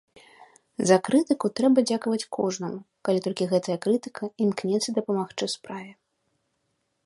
За крытыку трэба дзякаваць кожнаму, калі толькі гэтая крытыка імкнецца дапамагчы справе.